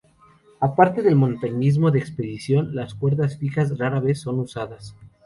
Aparte del montañismo de expedición, las cuerdas fijas rara vez son usadas.